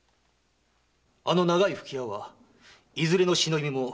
あの長い吹き矢はいずれの忍びも用いない物です。